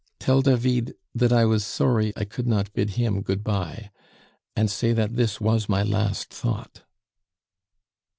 Tell David that I was sorry I could not bid him good bye, and say that this was my last thought."